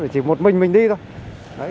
chỉ một mình mình đi thôi